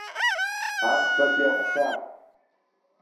Ахԥатәи ахәҭа…